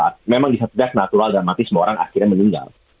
memang di suatu pandang kematian natural dan mati semua orang akhirnya meninggal